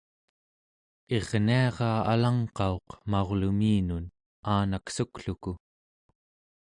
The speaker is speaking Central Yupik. irniara alangqauq maurluminun aanaksukluku